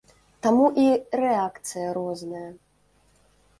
Таму і рэакцыя розная.